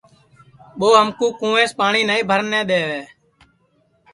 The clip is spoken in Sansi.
ٻو ہمکُو کُونٚویس پاٹؔی نائی بھرن دے وے